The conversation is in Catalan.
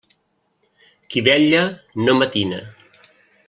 Qui vetla, no matina.